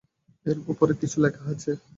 এর উপরে কিছু লেখা আছে।